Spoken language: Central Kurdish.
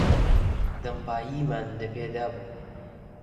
دەمپاییمان دەپێدا بوو.